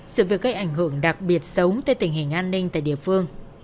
sự việc gây ảnh hưởng đặc biệt xấu tới tình hình an ninh tại địa phương